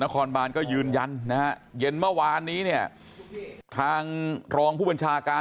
ครบบานก็ยืนยันนะฮะเย็นเมื่อวานนี้เนี่ยทางรองผู้บัญชาการ